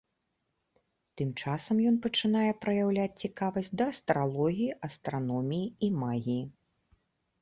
Тым часам ён пачынае праяўляць цікавасць да астралогіі, астраноміі і магіі.